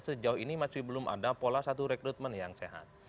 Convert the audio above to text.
sejauh ini masih belum ada pola satu rekrutmen yang sehat